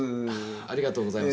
ありがとうございます。